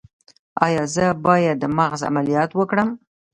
ایا زه باید د مغز عملیات وکړم؟